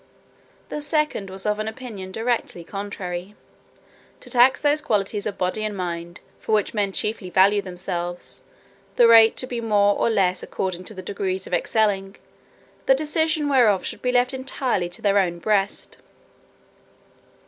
The second was of an opinion directly contrary; "to tax those qualities of body and mind, for which men chiefly value themselves; the rate to be more or less, according to the degrees of excelling; the decision whereof should be left entirely to their own breast."